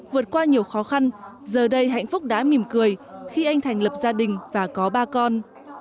vượt qua nhiều khó khăn giờ đây hạnh phúc đã mỉm cười khi anh thành lập gia đình và có ba con